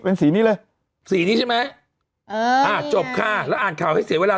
เป็นสีนี้เลยสีนี้ใช่ไหมอ่าอ่าจบค่ะแล้วอ่านข่าวให้เสียเวลา